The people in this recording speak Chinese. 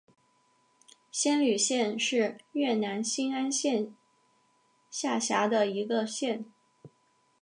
仙侣县是越南兴安省下辖的一个县。